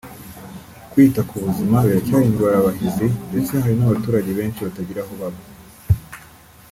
kwita ku buzima biracyari ingorabahizi ndetse hari n’abaturage benshi batagira aho baba